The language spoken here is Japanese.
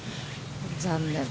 残念。